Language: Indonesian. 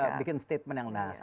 dia bikin statement yang menarik